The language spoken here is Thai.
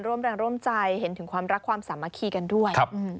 ร่วมแรงร่วมใจเห็นถึงความรักความสามัคคีกันด้วย